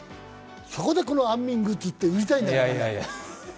そこでこの安眠グッズって売りたいんだけどね。